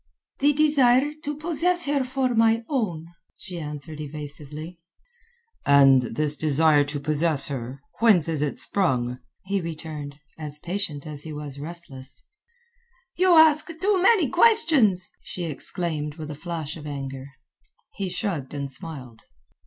"The desire to possess her for my own," she answered evasively. "And this desire to possess her, whence is it sprung?" he returned, as patient as he was relentless. "You ask too many questions," she exclaimed with a flash of anger. He shrugged and smiled.